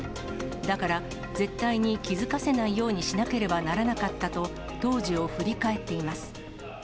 だから、絶対に気付かせないようにしなければならなかったと、当時を振り